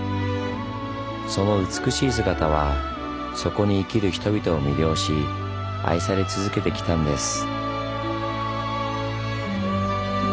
その美しい姿はそこに生きる人々を魅了し愛され続けてきたんです。